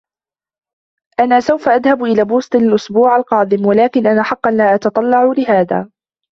أنا سوف أذهب إلى بوستن الإسبوع القادم, ولكن أنا حقاً لا أتتطلع لهذا.